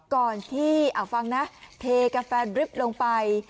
ก่อนที่เทกาแฟดริฟต์ลงไป